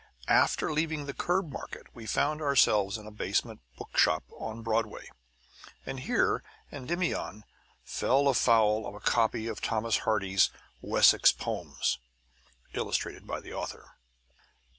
After leaving the curb market, we found ourselves in a basement bookshop on Broadway, and here Endymion fell afoul of a copy of Thomas Hardy's "Wessex Poems," illustrated by the author.